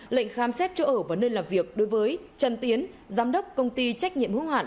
lệnh khám xét chỗ ở và nơi làm việc đối với trần tiến giám đốc công ty trách nhiệm hữu hạn